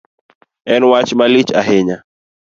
En wach malich ahinya